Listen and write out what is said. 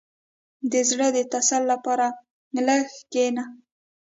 • د زړۀ د تسل لپاره لږ کښېنه.